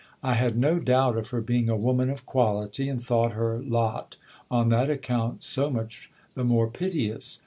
I had no doubt of her being a woman of quality, and thought her lot on that iccount so much the more piteous.